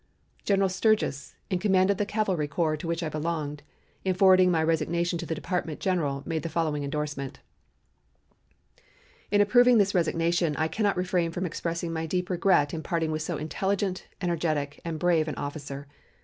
General Sturgis, in command of the cavalry corps to which I belonged, in forwarding my resignation to the Department general made the following endorsement: "In approving this resignation, I cannot refrain from expressing my deep regret in parting with so intelligent, energetic, and brave an officer.